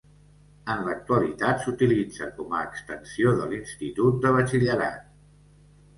En l'actualitat s'utilitza com a Extensió de l'Institut de Batxillerat.